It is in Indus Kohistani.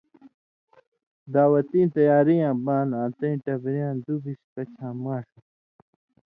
دعوتیں تیاری یاں بان آں تَیں ٹبرِیاں دُوۡبیۡش کَچھاں ماݜہ